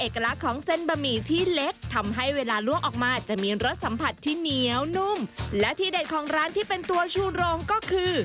ของร้านที่เป็นตัวชูรองก็คือ